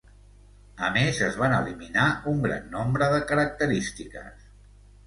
A més, es van eliminar un gran nombre de característiques.